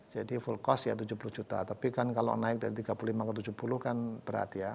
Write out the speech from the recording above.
jadi full cost ya tujuh puluh juta tapi kan kalau naik dari tiga puluh lima ke tujuh puluh kan berat ya